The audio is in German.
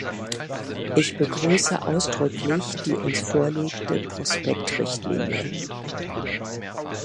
Ich begrüße ausdrücklich die uns vorliegende Prospekt-Richtlinie.